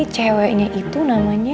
ceweknya itu namanya